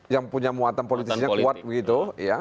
yang punya muatan politisnya kuat gitu